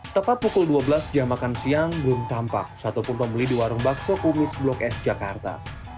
tepat pukul dua belas jam makan siang belum tampak satupun pembeli di warung bakso kumis blok s jakarta